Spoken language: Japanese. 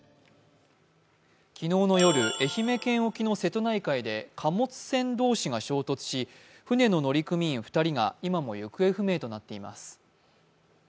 昨日の夜、愛媛県沖の瀬戸内海で貨物船同士が衝突し、船の乗組員２人が今も行方不明となっています。